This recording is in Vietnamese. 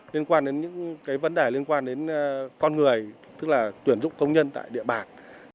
liên quan đến những cái vấn đề liên quan đến con người tức là tuyển dụng công nhân tại địa bàn